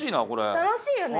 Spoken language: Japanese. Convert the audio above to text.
楽しいよね！